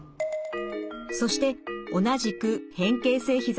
そして同じく変形性ひざ